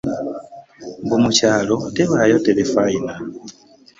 Mbu mu kyalo tebaayo terefayina